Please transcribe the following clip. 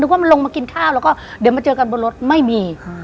ว่ามันลงมากินข้าวแล้วก็เดี๋ยวมาเจอกันบนรถไม่มี